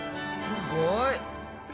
すごい。